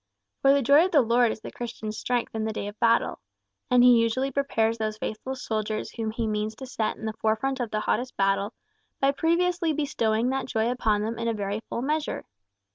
For the joy of the Lord is the Christian's strength in the day of battle. And he usually prepares those faithful soldiers whom he means to set in the forefront of the hottest battle, by previously bestowing that joy upon them in very full measure.